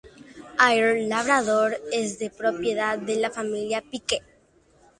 Air Labrador es de propiedad de la Familia Pike.